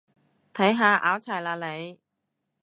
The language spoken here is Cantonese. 睇下，拗柴喇你